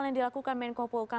yang dilakukan main kopo poka